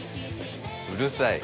うるさい。